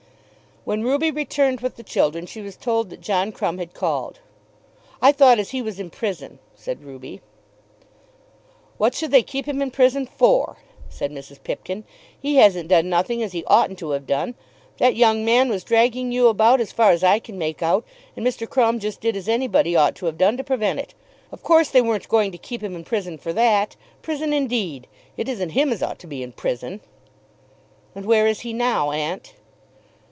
When Ruby returned with the children she was told that John Crumb had called. "I thought as he was in prison," said Ruby. "What should they keep him in prison for?" said Mrs. Pipkin. "He hasn't done nothing as he oughtn't to have done. That young man was dragging you about as far as I can make out, and Mr. Crumb just did as anybody ought to have done to prevent it. Of course they weren't going to keep him in prison for that. Prison indeed! It isn't him as ought to be in prison." "And where is he now, aunt?"